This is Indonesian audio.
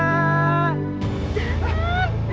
ah itu bunga ku